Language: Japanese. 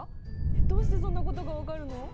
えっどうしてそんなことが分かるの？